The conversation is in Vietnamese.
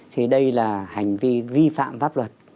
thì đây là hành vi vi phạm pháp luật